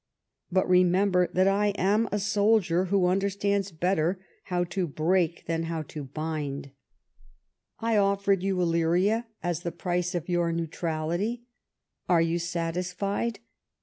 But remember that I am a soldier who understands better how to break than how to bind. I offered you Illyria as the price of I 114 LIFE OF PRINCE 3IETTEBNICH. your neutrality. Are you satisfied?